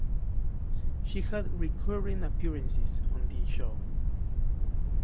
She had recurring appearances on the show.